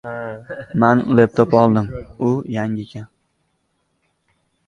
O‘zingiz bilasiz, bir kunlikka borgan hasharchilar paxta termaydi.